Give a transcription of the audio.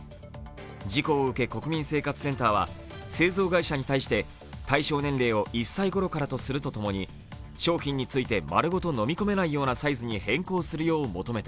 事故を受け国民生活センターは製造会社に対して対象年齢を１歳ごろからとするとともに商品について丸ごと飲み込めないようなサイズに変更するよう求めた。